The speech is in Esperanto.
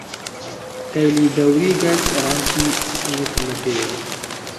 Kaj li daŭrigas rampi sur la tero.